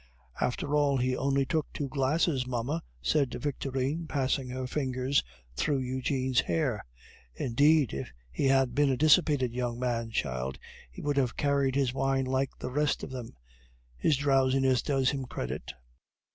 "After all, he only took two glasses, mamma," said Victorine, passing her fingers through Eugene's hair. "Indeed, if he had been a dissipated young man, child, he would have carried his wine like the rest of them. His drowsiness does him credit."